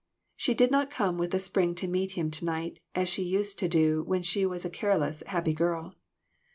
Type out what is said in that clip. She did not come with a spring to meet him to night, as she used to do when she was a careless, happy girl.